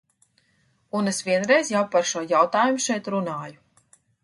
Un es vienreiz jau par šo jautājumu šeit runāju.